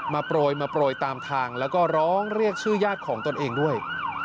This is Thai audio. มาปล่อยตามทางแล้วก็ร้องเรียกชื่อย่างของตัวเองด้วย